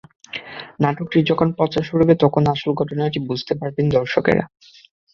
নাটকটির যখন প্রচার শুরু হবে তখন আসল ঘটনাটি বুঝতে পারবেন দর্শকেরা।